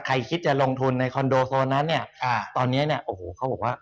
ใครคิดจะลงทุนในคอนโดโซนนั้นตอนนี้เขาบอกว่า